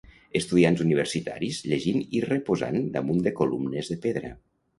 Estudiants universitaris llegint i reposant damunt de columnes de pedra.